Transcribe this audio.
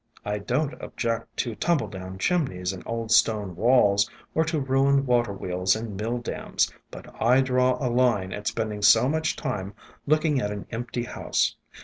I don't object to tumble down chimneys and old stone walls, or to ruined waterwheels and mill dams, but I draw a line //& ESCAPED FROM GARDENS ^^ at spending so much time looking at an empty house.